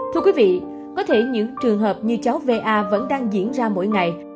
thưa quý vị có thể những trường hợp như cháu va vẫn đang diễn ra mỗi ngày